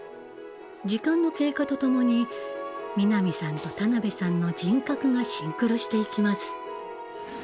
時間の経過とともに南さんと田辺さんの人格がシンクロしていきます。